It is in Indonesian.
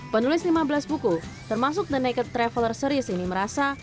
penulis lima belas buku termasuk the naker traveler series ini merasa